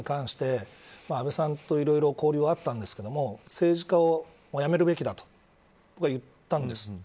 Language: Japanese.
僕はそのことに関して安倍さんといろいろ交流はあったんですけど政治家を辞めるべきだと僕は言ったんです。